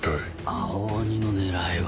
青鬼の狙いは？